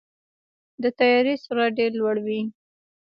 د طیارې سرعت ډېر لوړ وي.